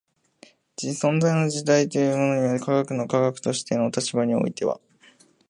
存在の全体というものには科学の科学としての立場においては